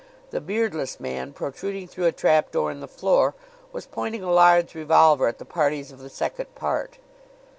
The beardless man, protruding through a trapdoor in the floor, was pointing a large revolver at the parties of the second part.